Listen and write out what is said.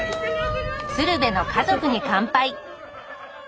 「鶴瓶の家族に乾杯」。